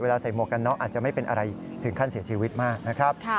ใส่หมวกกันน็อกอาจจะไม่เป็นอะไรถึงขั้นเสียชีวิตมากนะครับ